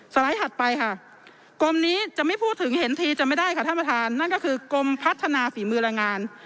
ไลด์ถัดไปค่ะกรมนี้จะไม่พูดถึงเห็นทีจะไม่ได้ค่ะท่านประธานนั่นก็คือกรมพัฒนาฝีมือแรงงาน